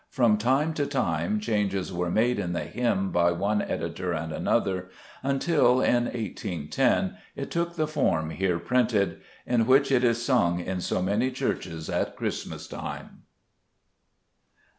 ,? From time to time changes were made in the hymn by one editor and another, until in 1S10 it took the form here printed, in which it is sung in so many churches at Christmas time.